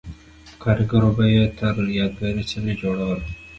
په کارګرو به یې ستر یادګاري څلي جوړول.